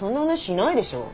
しないね。でしょう。